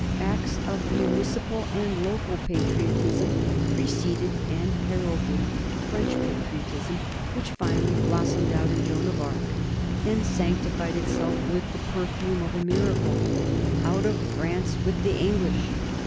Acts of municipal and local patriotism preceded and heralded French patriot ism, which finally blossomed out in Joan of Arc, and sanctified itself with the perfume of a miracle. Out of France with the English!